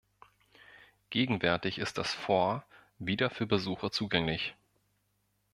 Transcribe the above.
Gegenwärtig ist das Fort wieder für Besucher zugänglich.